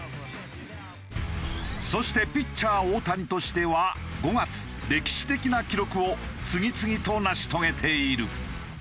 そしてピッチャー大谷としては５月歴史的な記録を次々と成し遂げている。